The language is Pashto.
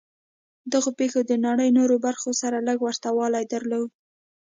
دغو پېښو د نړۍ نورو برخو سره لږ ورته والی درلود